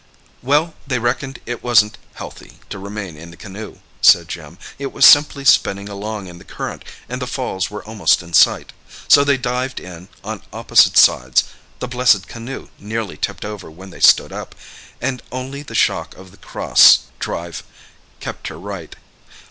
"Well, they reckoned it wasn't healthy to remain in the canoe," said Jim. "It was simply spinning along in the current, and the falls were almost in sight. So they dived in, on opposite sides—the blessed canoe nearly tipped over when they stood up, and only the shock of the cross drive kept her right.